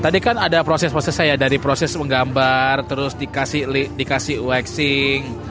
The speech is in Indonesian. tadi kan ada proses prosesnya ya dari proses menggambar terus dikasih waxing